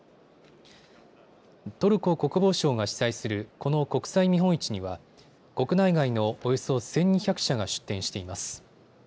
トルコ国防省が主催するこの国際見本市には国内外のおよそ１２００社が出展しています。